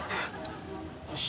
よし。